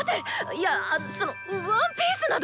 いやあそのワンピースなど！